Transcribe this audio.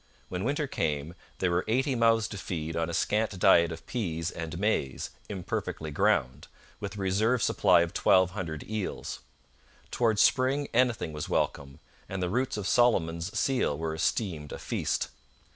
When winter came, there were eighty mouths to feed on a scant diet of peas and maize, imperfectly ground, with a reserve supply of twelve hundred eels. Towards spring anything was welcome, and the roots of Solomon's seal were esteemed a feast.